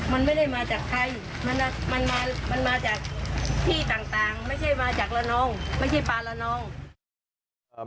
มันไม่ได้มาจากใครมันมาจากที่ต่างไม่ใช่มาจากละนองไม่ใช่ปลาละนอง